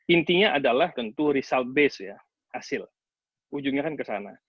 intinya adalah tentu result base ya hasil ujungnya kan ke sana